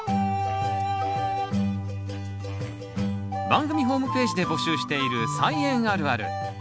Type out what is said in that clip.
番組ホームページで募集している「菜園あるある」。